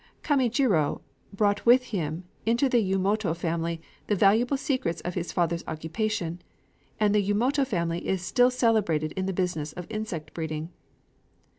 Kaméjirō brought with him to the Yumoto family the valuable secrets of his father's occupation; and the Yumoto family is still celebrated in the business of insect breeding.